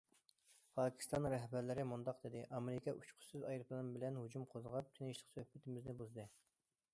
پاكىستان رەھبەرلىرى مۇنداق دېدى: ئامېرىكا ئۇچقۇچىسىز ئايروپىلان بىلەن ھۇجۇم قوزغاپ تىنچلىق سۆھبىتىمىزنى بۇزدى.